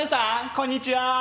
こんにちは。